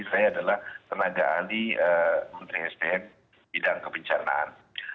saya adalah tenaga ahli menteri sdm bidang kebencanaan